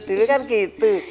dulu kan gitu